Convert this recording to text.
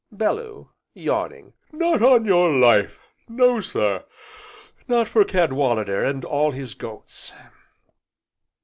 BELLEW. (Yawning) Not on your life! No sir, 'not for Cadwallader and all his goats!'